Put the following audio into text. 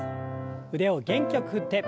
腕を元気よく振って。